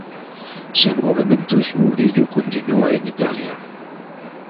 Sen movementos, Murillo continúa en Italia.